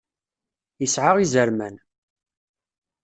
Isεa izerman.